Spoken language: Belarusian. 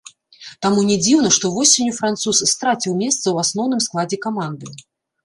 Таму не дзіўна, што восенню француз страціў месца ў асноўным складзе каманды.